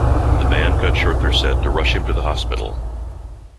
The band cut their set short to rush him to the hospital.